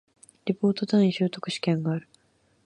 リポート、単位習得試験がある